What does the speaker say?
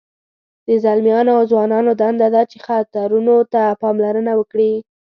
د ځلمیانو او ځوانانو دنده ده چې خطرونو ته پاملرنه وکړي.